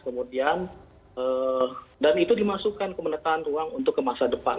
kemudian dan itu dimasukkan ke menata ruang untuk ke masa depan